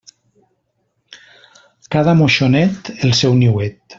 Cada moixonet, el seu niuet.